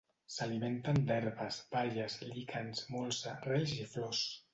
S'alimenten d'herbes, baies, líquens, molsa, rels i flors.